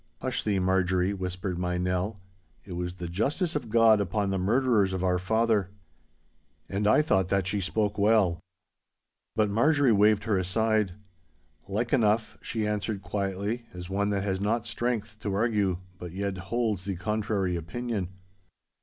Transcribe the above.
'Hush thee, Marjorie,' whispered my Nell; 'it was the justice of God upon the murderers of our father.' And I thought that she spoke well. But Marjorie waved her aside. 'Like enough,' she answered, quietly, as one that has not strength to argue, but yet holds the contrary opinion.